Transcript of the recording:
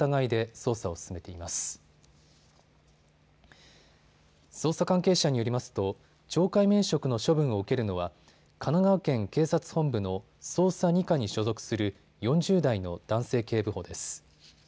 捜査関係者によりますと懲戒免職の処分を受けるのは神奈川県警察本部の捜査２課に所属する４０代の男性警部補です。